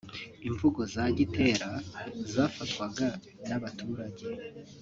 Imvugo za Gitera zafatwaga n’abaturage